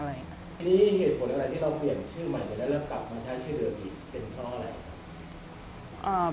อันนี้เหตุผลอะไรที่เราเปลี่ยนชื่อใหม่ไปแล้วแล้วกลับมาใช้ชื่อเดิมอีกเป็นเพราะอะไรครับ